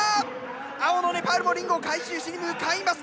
青のネパールもリングを回収しに向かいます。